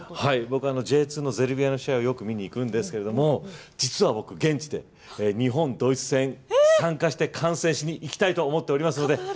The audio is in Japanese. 僕はＪ２のゼルビアの試合よく見に行くんですけど、実は僕現地で日本、ドイツ戦参加して観戦しにいきたいと思っておりますので。